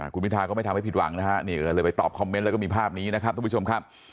คุณพิทาก็ไม่ทำให้ผิดหวังนะฮะนี่ก็เลยไปตอบคอมเมนต์แล้วก็มีภาพนี้นะครับทุกผู้ชมครับ